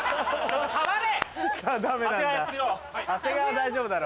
長谷川は大丈夫だろ。